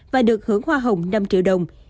và được hưởng hoa hồng năm triệu đồng